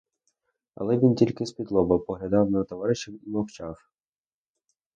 Але він тільки спідлоба поглядав на товаришів і мовчав.